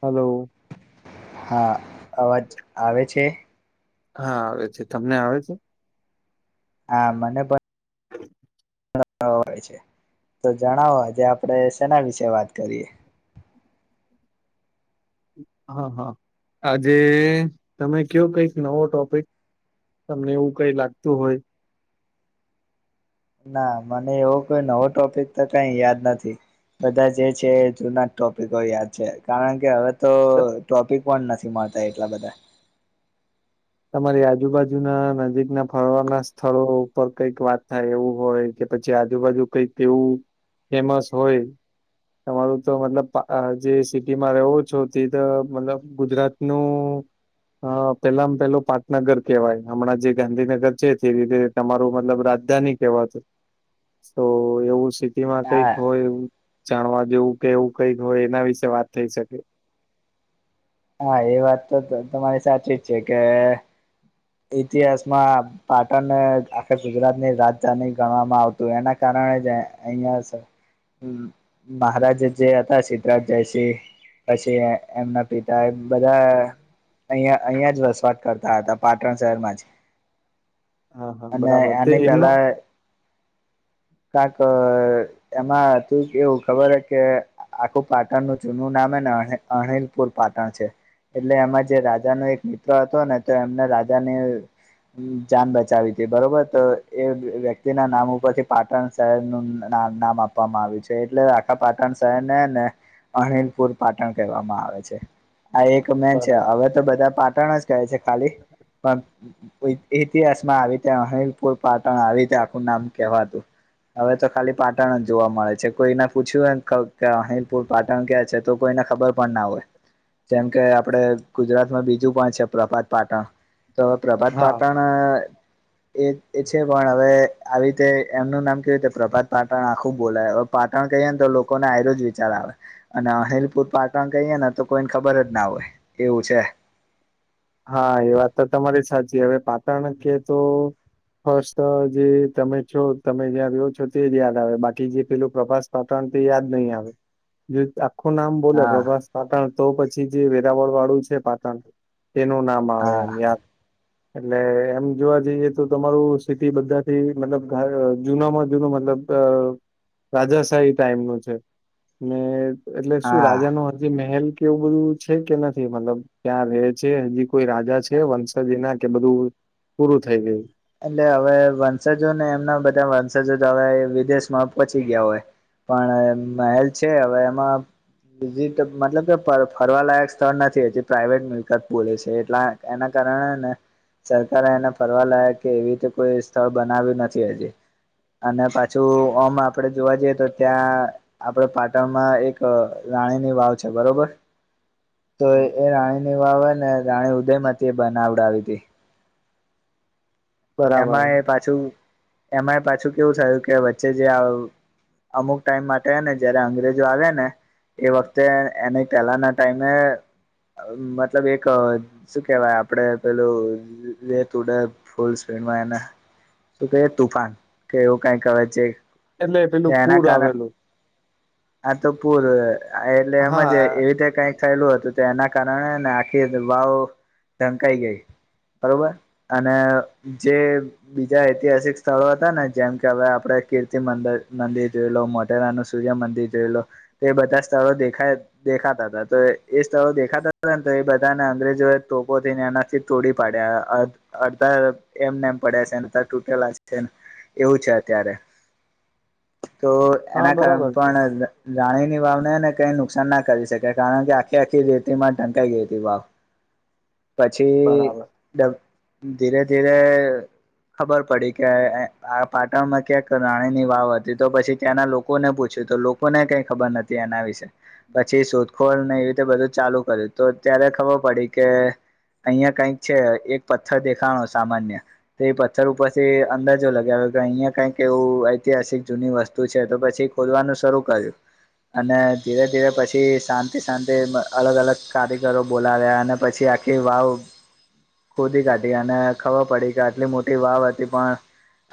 Hello હા અવાજ આવે છે. હા આવે છે તમને આવે છે. હા મને પણ હોય છે તો જણાવો આજે આપણેે સેના વિશે વાત કરીએ હા હા આજે તમે કયો કઈક નવો ટોપિક તમને એવું કઈ લાગતું હોય ના મને એવો કોઈ નવો ટોપિક તો કઈ યાદ નથી બધા જે છે જુના ટોપિકો યાદ છે કારણ કે હવે ત તો ટોપિક પણ નથી મળતા એટલા બધા તમારી આજુબાજુ ના નજીક ના ફરવા ના સ્થળો ઉપર કઈક વાત થાય એવું હોય કે પછી આજુબાજુ કઈક એવું ફેમસ હોય તમારું તો મતલબ જે સિટીમાં રહવો છો ત તો મતલબ કુદરતનું હા પેલામ પેલો પાટનગર કેવાય હમણાં જે ગાંધીનગર છે તે રીતે તમારું મતલબ રાજધાની કેવાતું તો એવું શી ટી માં કંઈક હા હોય એ જાણવા જેવું કે એવું કઈક હોય એના વિશે વાત થઈ શકે હા એ વાત તો તમારી સાચી જ છે કે ઇતિહાસમાં પાટણને આખે ગુજરાતની રાજધાની ગણવામાં આવતું એના કારણે જ અહિયાં મહારાજ જે હતા સિદ્ધરાજ જયસિંહ પછી એમના પિતા ત બધા અહિયાં અહિયાં જ વસવાટ કરતા હતા પાટણ શહેરમાં જ. હા હા અને બરાબર તે એની એમનો પેલા કક એમાં તું એવું ખબર હ કે આખું પાટણનું જૂનું નામ ને અણિલપુર પાટણ છે એટલે એમાં જે રાજા ન એક મિત્ર હતો ને તો એમને રાજાને જાન બચાવી હતી બરોબર તો એ વ્યક્તિ ના નામ ઉપરથી પાટણ શહેર નું નામ આપવામાં આવ્યું છે એટલે રાખા પાટણ શહેર ને ને અનિલપુર પાટણ કહેવામાં આવે છે આ એક મેન છે બરાબર હવે તો બધા પાટણ જ કહે છે ખાલી પણ ઇતિહાસ માં આવી ત અનિલપુર પાટણ આવી તે આખું નામ કહેવાતું હવે તો ખાલી પાટણ જ જોવા મળે છે કોઈને પૂછ્યું અહીપુર પાટણ ક્યાં છે તો કોઈને ખબર પણના હોય જેમ કે આપડે ગુજરાતમાં બીજું પણ છે પ્રભાત પાટણ તો હવે પ્રભાત હા પાટણ મા અ એ એ છે પણ હવે આવી રીતે એમનું નામ કેવુંતે પ્રભાત પાટણ આખું બોલા પાટણ કહીએને તો લોકોને આ જ વિચાર આવે અને અહિલપુર પાટણ કહીએ ને તો કોઈને ખબર જ ના હોય એવું છે. હા એ વાત તો તમારી સાચી, હવે પાટણ કે તો ફસ્ટ જે તમે છો તમે જ્યાં રહ્યો છો તે જ યાદ આવે બાકી જે પેલું પ્રભાસ તપણ તે યાદ નહી આવે જે આપ આખું નામ બોલે હા પ્રભાસ પાટણ તો પછી જે વેરાવળ વાળું છે પાટણ તેનું નામ આવે હા એમ યાદ. એટલે એમ જોવા જઈએ તો તમારું સિટી બધાથી મતલબ જૂનામાં જૂનું મતલબ અ રાજાશાહી ટાઈમ નું છે ને એટલે શું હા રાજા નું હજી મહેલ કેવું બધું છે કે નથી મતલબ ક્યાં રે? છે હજી કોઈ રાજા છે વંશજી એ ના કે બધું પૂરું થઈ ગયું? એટલે હવે વંશજો ને એમના બધા વંશજો હવે વિદેશમાં પહોંચી ગયા હોય. પણ મહેલ છે હવે એમાં મતલબ કે ફરવાલાાયક સ્થળ નથી એ પ્રાઇવેટ મિલકત બોલે છે એટલા એના કારણે ને સરકારે એને ફરવા લાય કે એવી તો કોઈ સ્થળ બનાવ્યું નથી હજી. અને પાછું ઓમ આપડે જોવા જઈએ તો ત્યાં આપડે પાટણમાં એક રાણીની વાવ છે બરોબર? તો એ રાણી ની વાવે ને રાણી ઉદયમાંથી એ બનાવડાવી હતી. બરાબર એમાં એ પાછું, એમાં એ પાછું કેવું થયું કે વચ્ચે જે અમુક ટાઈમ માટે ને જયારે અંગ્રેજો આવે ને એ વખતે એને પહેલાના ટાઈમે મતલબ એક શું કેહેવાય આપડે પેલું રેતુડ ફૂલ્ [unintelligible] તો કે તુફાન કે એવું કઈ કરે છે એટલે પેલું એના પૂર કારણ આવેલું. આ તો પૂર એટલે હા એમજ એવી રીતે કઈક થયેલું હતું તો એના કારણે ને આખી વાવ ઢંકાઈ ગઈ. બરોબર અને જે બીજા ઐતિહાસિક સ્થળો હતા ને જેમ કે હવે આપડે કીર્તિંદિ મંદિર જોઈ લો મોટેરાનું સૂર્યમંદિર જોયે લો તો બધા સ્થળો દેખાય દેખાતા તા તો એ સ્થળો દેખાતા હતા ને તો એ બધાને અંગ્રેજો એ તોપો થઈને એનાથી તોડી પાડ્યા અડ અડધા એમને એમ પડે છેને તૂટેલા છેને એવું છે અત્યારે. તો હા એના કારણે બરાબર છે પણ રાણીની વાવનેને કઈ નુકસાન ના કરી શકે કારણ કે આખી આખી રેતીમાં ઢંકાઈ ગઈ હતી વાવ. [inaudible] પછી બરાબર ધીરે ધીરે ખબર પડી કે આ પાટણમાં ક્યાંક રાણી ની વાવ હતી તો પછી ત્યાંના લોકોને પૂછ્યું તો ને કઈ ખબર નથી એના વિશે પછી શો કોળ ને એવી રીતે બધું ચાલુ કર્યું તો ત્યારે ખબર પડી કે અહિયાં કઈક છે એક પથ્થર દેખાણો સામાન્ય તે એ પથ્થર ઉપરથી અંદાજો લગાવ્યો અહિયાં કઈક એવું ઐતિહાસિક જૂની વસ્તુ છે તો પછી ખોદવાનું શરૂ કર્યું અને ધીરે ધીરે પછી શાંતિ શાંતિ અલગ અલગ કારીગરો બોલાવ્યા અને પછી આખી વાવ ખોદી કાઢી અને ખબર પડી કે આટલી મોટી વાવ હતી પણ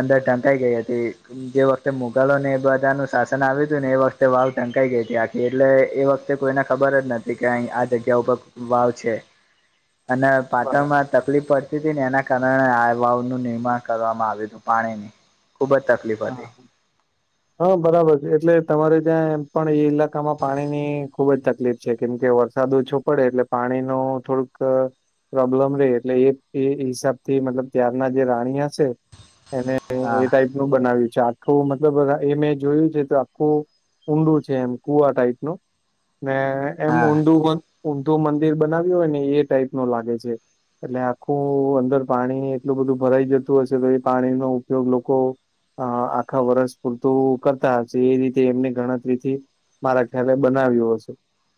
અંદર ઢંકાઈ ગઈ હતી. જે વખતે મુઘલો ને એ બધા નું શાસન આવ્યું હતું ને એ વખતે વાવ ટઢંકાઈ ગઈ હતી આ. એટલે એ વખતે કોઈને ખબર જ નથી કે અહી આ જગ્યા ઉપર વાવ છે. [inaudible] અને બરાબર પાટણમાં તકલીફ પડતી હતી ને એના કારણે આ વાવનું નિર્માણ કરવામાં આવ્યું હતું પાણીની. ખૂબ જ તકલીફ હા હતી હા. હા બરાબર છે એટલે તમારે ત્યાં એમ પણ એ ઈલાકામાં પાણીની ખુબ જ તકલીફ છે, કેમ કે વરદ સાદો ઓછો પડે એટલે પાણી ન થોડું પ્રોબ્લેમ રે એટલે એ એ હિસાબ થી મતલબ ત્યારના જે રાણી હશે, એને હા એ ટાઈપનુંું બનાવ્યું છે આખું મતલબ એ મેં જોયું છે, તો આખુ ઊંડું છે, એમ કુવા ટાઈપનું ને એમ હા ઊડુ પણ ઊમધું મંદિર બનાવ્યું હોય ને એ ટાઈપ નો લાગે છે. એટલે આખું અંદર પાણી એટલું બધું ભરાઈ જતું હશે, તો એ પાણી નો ઉપયોગ લોકો. અ આખા વર્ષ પૂરતું કરતા હશે, એ રીતે એમને ગણતરીથી. મારા ખ્યાલે બનાવ્યું હશે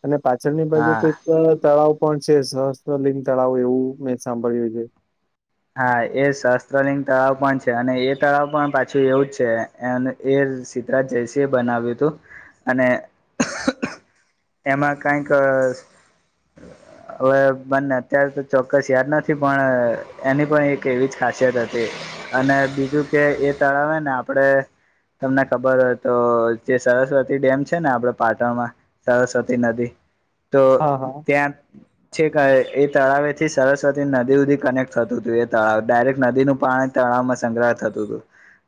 અને પાછળની બાજુ હા કઈક તળાવ પણ છે, સહસ્ત્રલંગ તળાવ એવું મેં સાંભળ્યું છે. હા એ શસ્ત્રલિંગ તળાવ પણ છે, અને એ તળાવ પણ પાછું એવું જ છે. એ એ સીધરાજ જયસિ એ બનાવ્યું હતુ અને એમાં કઈક [inaudible] હવે બંને અત્યારે તો ચોક્કસ યાદ નથી, પણ એની પણ એક એવી જ ખાસિયત હતી. અને બીજું કે એ તળાવે ને આપડે તમને ખબર હોય, તો જે સરસ્વતી ડેમ છેને આપડે પાટણમા સરસ્વતી નદી તો હા હા ત્યા છે એ તળાવે થી સરસ્વતી નદી સુધી કનેક્ટ થતું હતુ, એ તળાવ ડાયરેક્ટ નદીનું પાણી તણાવમાં સંગ્રહ થતું હતુ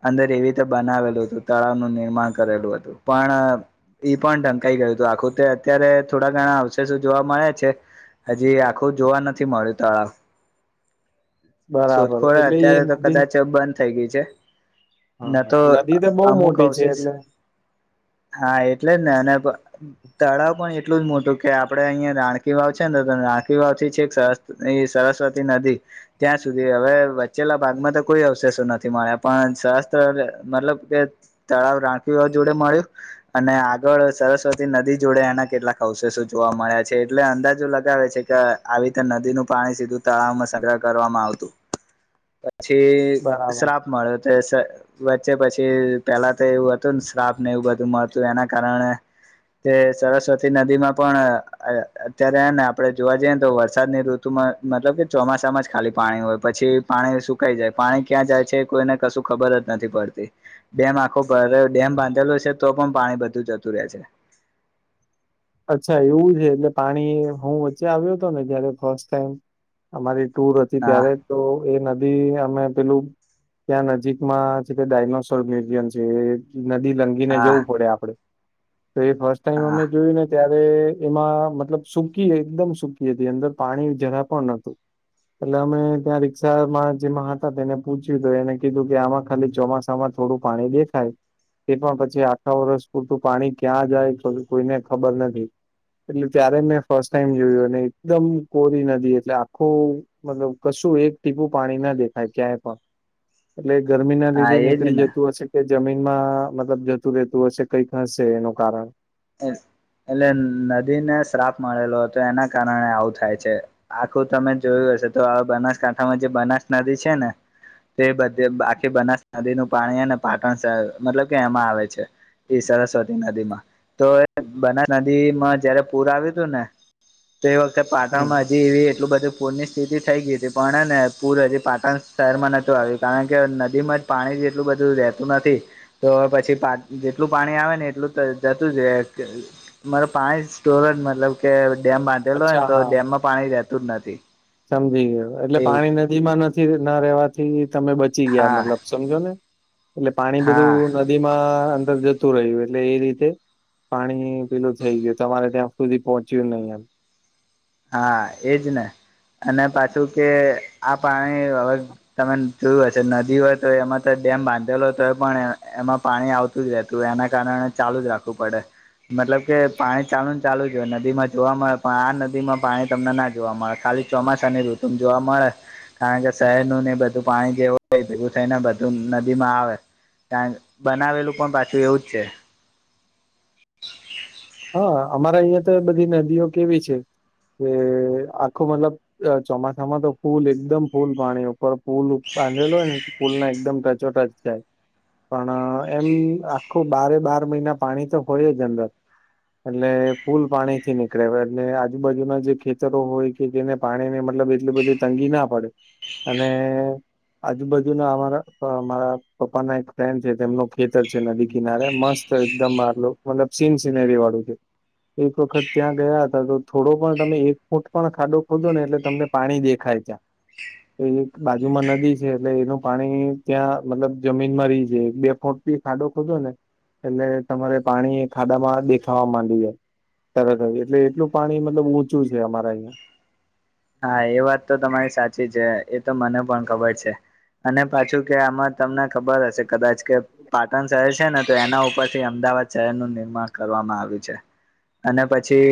અંદર એવી રીતે બનાવેલું હતુ, તળાવનુ નિર્માણ કરેલું હતુ પણ ઈ પણ ઢંકાઈ ગયુ હતુ, આખુ તે અત્યારે થોડા ઘણા અવશેષો જોવા મળે છે. હજી આખું જોવા નથી મળ્યું તળાવ બરાબર શોધખોળ એટલે અત્યારે તો એ નદી કદાચ બંધ થઇ ગઈ છે. હા ના તો હા નદી બહુ અમુક મોટી છે આવવશે એટલે હા એટલે જ ને અને તળાવ પણ એટલું જ મોટું કે આપડે અહિયાયા રાણકી વાવ છેને, તો રાણકી વાવ થી છે સરસ એ સરસ્વતી નદી ત્યાં સુધી હવે, વચ્ચેલા ભાગમાં તો કોઈ અવશેષો નથી મળ્યા પણ શહસ્ત્ર મતલબ કે તળાવ રણકી વાવ જોડે મળ્યું અને આગળ સરસ્વતી નદી જોડે એના કેટલાક અવશેષો જોવા મળ્યા છે એટલે અંદાજો લગાવે છે, કે આવી રીતે નદીનું પાણી સીધુ તળાવમાં સગ્રહ કરવામાં આવતુ [inaudible] પછી બરાબર શ્રાપ મળ્યો વચ્ચે પછી પેલા તો એવું હતુ, ને શ્રાપ ને એવું બધું મળતું એના કારણે તે સરસ્વતી નદી માં પણ અત્યારેને આપડે જોવા જઈએ તો વરસાદ ની ઋતુ ત મતલબ કે ચોમાસામાં જ ખાલી પાણી હોય પછી પાણી સુકાઈ જાય પાણી ક્યાં જાય છે, કોઈને કશું ખબરજ નથી પડતી ડેમ આખો ડેમ બાંધેલો છે, તો પણ પાણી બધું જતું રહે છે. અચ્છા એવું છે, એટલે પાણી હુ વચ્ચે આવ્યો હતો ને જયારે ફસ્ટ ટાઈમ અમારી ટુર હતી હા ત્યારે તો એ નદી અમે પેલુ ત્યાં નજીકમાં છે, તે ડાયનોસોર મ્યુઝિયમ છે. નદી લંગીને હા જવુ, પડે આપડે તો એ ફર્સ્ટ ટાઈમ હા અમે જોયું ને ત્યારે એમાં મતલબ સુકી એકદમ સકી હતી, અંદર પાણી જરા પણ નતુ એટલે અમે ત્યાં રિક્ષામાં જેમાં હતા તેને પૂછ્યુ હતું એને કીધું કે આમાં ખાલી ચોમાસામા થોડું પાણી દેખાય તે પણ પછી, આખા વર્ષ પૂરતું પાણી ક્યાં જાય કોઈને ખબર નથી. એટલે ત્યારે મેં ફર્સ્ટ ટાઈમ જોયુ, અને એકદમ કોરી નથી એટલે આખુ મતલબ કશું એક ટીપું પાણી ના દેખાય ક્યાંય પણ એટલે ગરમી ના હા લીધે એજ નીકળી ને જતુ, હશે કે જમીનમાં મતલબ જતુ, રહેેતું હશે કઈક હશે એનું કારણ એટલે નદીને શ્રાપ મળેલો હતો એના કારણે આવું થાય છે. આખું તમે જોયું હશે તો બનાસકાંઠામાં જે બનાસ નદી છે ને. તે બધે બાખી બનાસ નદીનું પાણી ને પાટણ શર મતલબ કે એમાં આવે છે. ઈ સરસ્વતી નદી માં તો બનાસ નદી માં જયારે પૂર આવ્યું હતું ને. તો એ વખતે હમ પાટણમાં હજી એવી. એટલું બધું પૂરની સ્થિતિ થઈ ગઈ હતી પણ ને પૂર હજી પાટણ શહેરમાં નહોતું આવ્યું કારણ કે નદીમાં જ. પાણી જેટલું બધું રહેતું નથી તો પછી પા જેટલું પાણી આવે ને એટલું. મારા પાંચ સ્ટોર મતલબ. કે ડેમ બાંધેલો હોય ને અચ્છા તો હા ડેમમાં પાણી રહેતું જ નથી. સમજી ગયો એટલે એવું પાણી નદી માં નથી ના રહેેવાથી તમે બચી ગયા હા મતલબ સમજો ને. એટલે પાણી હા બધું નદીમાં અંદર જતું રહ્યું એટલે એ રીતે. પાણી પેલું થઈ ગયું તમારે ત્યાં સુધી પહોંચ્યું નહીિ એમ. હા એજ ને અને પાછું કે આ પાણી હવે. તમે જોયું હશે નદી હોય તો એમાં તો ડેમ બાંધેલો તોય પણ એમાં પાણી આવત. તું એના કારણે ચાલુ જ રાખવું પડે. મતલબ કે પાણી ચાલુ ને ચાલુ જ હોય નદીમાં જોવા મળે પણ આ નદી માં. પાણી તમને ના જોવા મળે ખાલી ચોમાસાની ઋતુમ જોવા મળે. કારણ કે શહેર ન ને બધું પાણી જેવું હોય ભવું થઈને બધું નદી માં આવે. ત્યાં બનાવેલું પણ પાછું એવું જ છે. હા અમારા અહિયાં તો બધી નદીઓ કેવી છે કે આખું મતલબ. ચોમાસામાં તો ફૂલ એકદમ ફૂલ પાણી ઉપર ફૂલ બાંધેલો હોય ને.. પુલ ને એકદમ ટચો ટચ થાય. પણ એમ આખું બારે બાર મહિના પાણી તો હોય જ અંદર. એટલે પુલ પાણી થી નીકળે એટલે આજુબાજુના જે ખેતરો હોય કે જેને. પાણી ની મતલબ એટલી બધી તંગી ના પડે અને. આજુબાજુ ના અમારા મારા પપ્પા ના એક ફ્રેન્ડ છે તેમનું ખેતર છે નદી કિનારે મસ્ત. એકદમ મારલો મતલબ સીન સિનેરી વાળું છે. એક વખત ત્યાં ગયા હતા તો થોડો પણ તમે એક ફૂટ પણ ખાડો ખોધો ને એટલે તમને. પાણી દેખાાય છે. એ એક બાજુમાં નદી છે એટલે એનું પાણી ત્યાં મતલબ જમીનમાં રહી છે એક બે ફૂટ. ખાડો ખોજો ને એટલે તમારે પાણી ખાડામાં. દેખાવા માંડીએે તરત એટલે એટલું પાણી મતલબ ઊંચું છે અમારા અહં. હા એ વાત તો તમારી સાચી છે એ તો મને પણ ખબર છે. અને પાછું કે આમાં તમને ખબર હશે કદાચ કે. પાટણ શહેર છે ને તો એના ઉપર થી અમદાવાદ શહેરનુંું નિર્માણ કરવામાં આવ્યું છે. અને પછી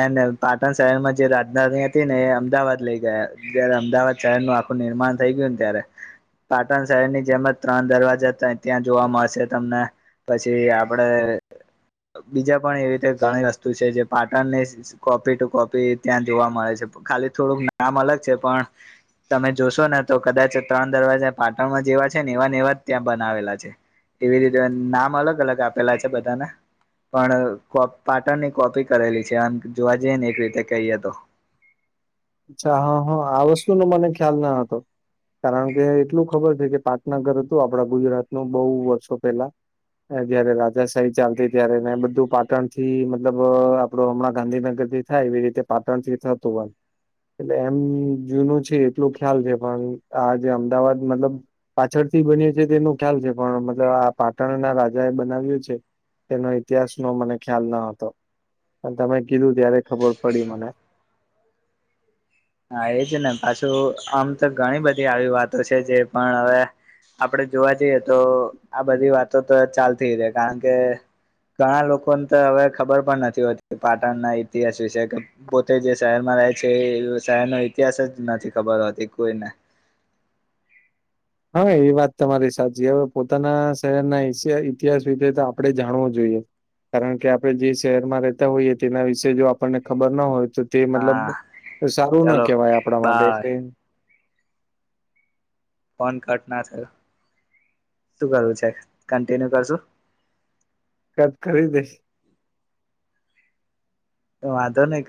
એ પાટણ શહેરમાં જે રાજનાિંહ. ને અમદાવાદ લઈ ગયા જય્યારે અમદાવાદ શહેર નું આખું નિર્માણ થઈ ગયું ને ત્યારે. પાટણ શહેર ની જેમ જ ત્રણ દરવાજા હતા ત્યાં જોવા મળશે તમને. પછી આપડે બીજા પણ એવી રીતે ઘણી વસ્તુ છે જે પાટણની. કોપી ટુ કોપી ત્યાં જોવા મળે છે ખાલી થોડુંક નામ અલગ છે પણ. તમે જોશો ને તો કદાચ ત્રણ દરવાજા પાટણમાં જેવા છે ને એવાને એવા જ ત્યાં બનાવેલા છે. એવી રીતે નામ અલગ અલગ આપેલા છે બધાને. પણ પાટન ની કોપી કરેલી છે અનેમ જોવા જઈએ ને એક રીતે કહીએ તો. અચ્છા હા હા આ વસ્તુનો મને ખ્યાલ ના હતો. કારણ કે એટલું ખબર છે કે પાટનગર હતું આપડા ગુજરાત ન બહુ વર્ષો પહેલા. જયારે રાજાશાહી ચાલતી ત્યારે ને બધું પાટણ થી મતલબ આપડો હમણાં ગાંધીનગર થી. થાય એવી રીતે પાટણ થી થતું. એટલે એમ જૂનો છે એટલો ખ્યાલ છે પણ આ જે અમદાવાદ મતલબ. પાછળથી બન્યું છે તેનો ખ્યાલ છે પણ મતલબ આ પાટણના રાજા એ બનાવ્યું છે. એનો ઈતિહાસ નો મને ખ્યાલ ના હતો પણ તમે કીધું ત્યારે ખબર પડી મને. હા એજ ને પાછું આમ તો ઘણી બધી આવી વાતો છે જે પણ હવે. આપડે જોવા જઈએ તો આ બધી વાતો તો ચાલતી ર કારણ કે ઘણા લોકોને તો હવે ખબર પણ નથી હોતી પાટણના ઈતિહાસ વિશે કે પોતે જે શહેરમાં રહે છે એ શહેર નો ઇતિહાસ જ નથી ખબર હોતી કોઈને હા એ વાત તમારી સાચી હવે પોતાના શહેરના ઇતિહાસ વિશે તો આપણે જાણવો જોઈએ. કારણ કે આપણે જે શહેરમાં રહેતા હોઈએ તેના વિશે જો આપણને ખબર ના હોય તો તે મતલબ હા સારું ના ચાલો કહેવાય આપણા માટે બાય એટલે ફોન કટ ના થયો શું કરવું છે, કન્ટિન્યુ કરશું. કદ કરી દેશે. તો વાંધો નઈ કાંઈ